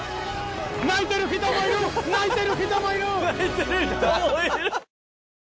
泣いてる人もいる。